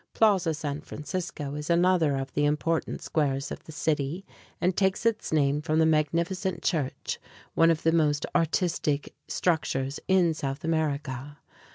Plaza San Francisco is another of the important squares of the city, and takes its name from the magnificent church, one of the most artistic structures in South America.